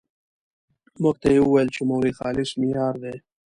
موږ ته یې ويل چې مولوي خالص مې يار دی.